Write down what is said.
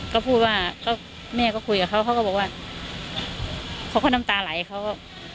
ก็พูดว่าก็แม่ก็คุยกับเขาเขาก็บอกว่าเขาก็น้ำตาไหลเขาก็